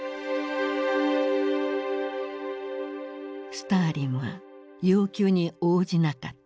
スターリンは要求に応じなかった。